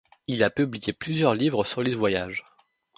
Il a publié plusieurs livres sur les voyages.